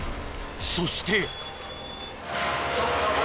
そして。